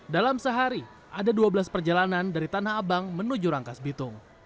dalam sehari ada dua belas perjalanan dari tanah abang menuju rangkas bitung